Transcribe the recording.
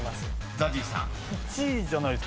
［ＺＡＺＹさん］